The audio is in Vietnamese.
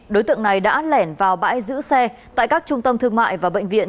đối tượng này đã lẻn vào bãi giữ xe tại các trung tâm thương mại và bệnh viện